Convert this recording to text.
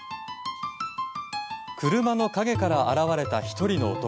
車の陰から現れた１人の男。